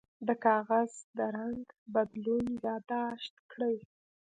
د کاغذ د رنګ بدلون یاد داشت کړئ.